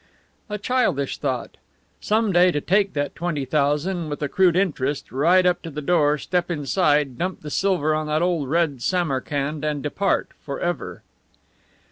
A childish thought! Some day to take that twenty thousand with accrued interest, ride up to the door, step inside, dump the silver on that old red Samarkand, and depart forever.